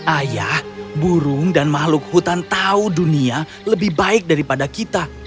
ayah burung dan makhluk hutan tahu dunia lebih baik daripada kita